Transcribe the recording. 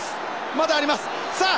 まだありますさあ